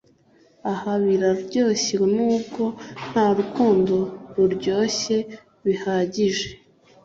ah biraryoshye, nubwo nta rukundo ruryoshye bihagije